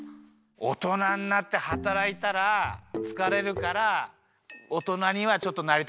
おとなになってはたらいたらつかれるからおとなにはちょっとなりたくない。